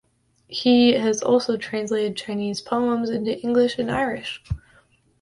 He has also translated Chinese poems into English and Irish.